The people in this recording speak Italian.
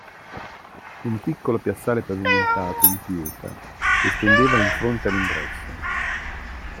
Un piccolo piazzale pavimentato in pietra si estendeva in fronte all'ingresso.